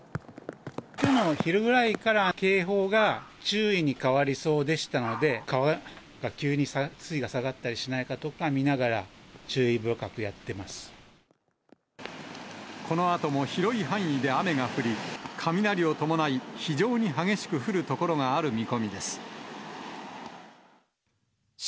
きょうの昼ぐらいから警報が注意に変わりそうでしたので、川が急に水位が下がったりしないかとか見ながら、注意深くやってこのあとも広い範囲で雨が降り、雷を伴い、非常に激しく降る所がある見込みです。